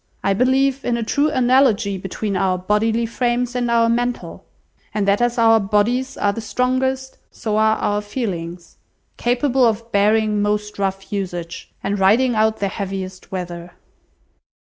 I believe in a true analogy between our bodily frames and our mental; and that as our bodies are the strongest, so are our feelings; capable of bearing most rough usage, and riding out the heaviest weather."